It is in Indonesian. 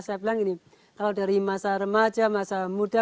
saya bilang gini kalau dari masa remaja masa muda